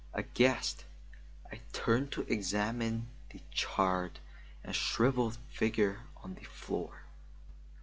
Aghast, I turned to examine the charred and shrivelled figure on the floor.